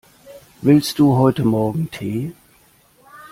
Willst du heute Morgen Tee?